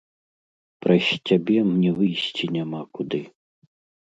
Праз цябе мне выйсці няма куды!